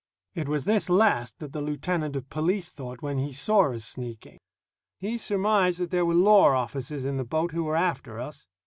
It was this last that the lieutenant of police thought when he saw us sneaking. He surmised that there were law officers in the boat who were after us.